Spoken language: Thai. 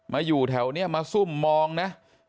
อยู่แถวนี้มาซุ่มมองนะ